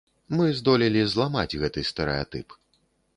Мы здолелі зламаць гэты стэрэатып.